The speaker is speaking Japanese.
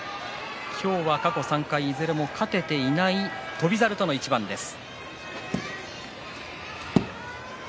今日は過去３回いずれも勝てていない翔猿との一番です。